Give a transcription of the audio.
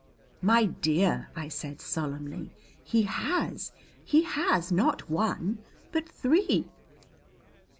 "My dear," I said solemnly, "he has! He has, not one, but three!"